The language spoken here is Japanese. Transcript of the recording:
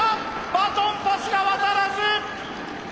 バトンパスが渡らず！